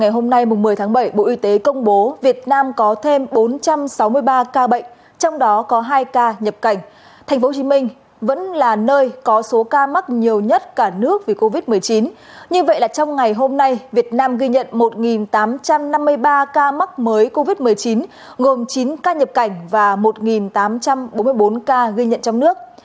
hôm nay việt nam ghi nhận một tám trăm năm mươi ba ca mắc mới covid một mươi chín gồm chín ca nhập cảnh và một tám trăm bốn mươi bốn ca ghi nhận trong nước